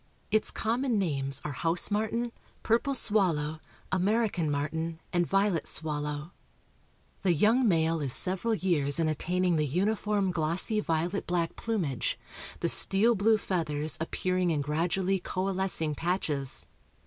Its common names are house martin, purple swallow, American martin, and violet swallow. The young male is several years in attaining the uniform glossy violet black plumage, the steel blue feathers appearing in gradually coalescing patches.